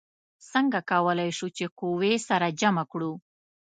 څنګه کولی شو چې قوې سره جمع کړو؟